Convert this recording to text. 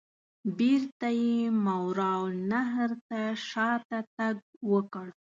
بیرته یې ماوراء النهر ته شاته تګ وکړ.